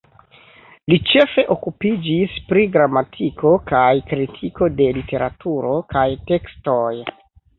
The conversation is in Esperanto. Li ĉefe okupiĝis pri gramatiko kaj kritiko de literaturo kaj tekstoj.